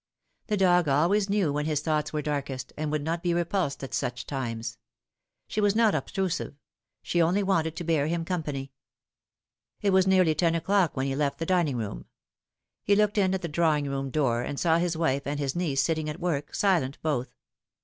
The dog always knew when his thoughts were darkest, and would not be repulsed at such times. She was not obtrusive : she only wanted to bear him company. It was nearly ten o'clock when he eft the dining room. He looked in at the drawing room door, and saw his wife and his niece sitting at work, silent both.